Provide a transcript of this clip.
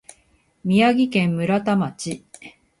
宮城県村田町